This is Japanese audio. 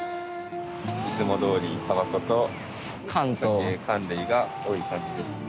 いつもどおりタバコと缶類が多い感じです。